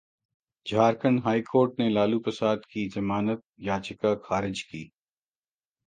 Jharkhand high court ने लालू प्रसाद की जमानत याचिका खारिज की